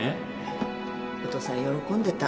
お父さん喜んでた。